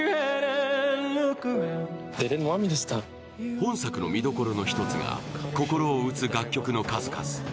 本作の見どころの一つが心を打つ楽曲の数々。